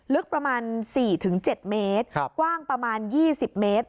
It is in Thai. ลึกประมาณ๔๗เมตรกว้างประมาณ๒๐เมตร